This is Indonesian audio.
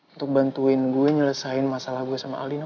untuk bantuin gue nyelesain masalah gue sama aldino